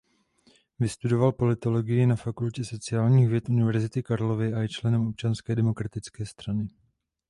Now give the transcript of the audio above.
Vystudoval politologii na Fakultě sociálních věd Univerzity Karlovy a je členem Občanské demokratické strany.